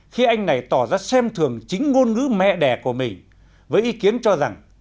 khi anh này tỏ ra xem thường chính ngôn ngữ mẹ đẻ của mình với ý kiến cho rằng